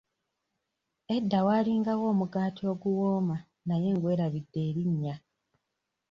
Edda waalingawo omugaati oguwoma naye ngwerabidde erinnya.